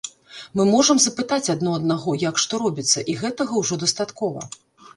Мы можам запытаць адно аднаго, як што робіцца, і гэтага ўжо дастаткова.